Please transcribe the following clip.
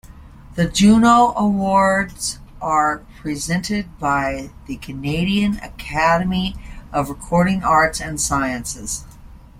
The Juno Awards are presented by the Canadian Academy of Recording Arts and Sciences.